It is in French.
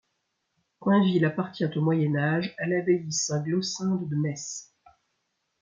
Coinville appartient au Moyen Âge à l'abbaye Saint- Glossinde de Metz.